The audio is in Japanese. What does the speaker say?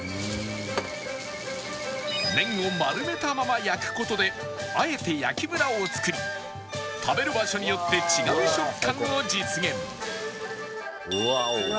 麺を丸めたまま焼く事であえて焼きムラを作り食べる場所によって違う食感を実現